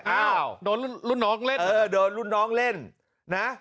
อ้าวโดนรุ่นน้องเล่นเออโดนรุ่นน้องเล่นนะ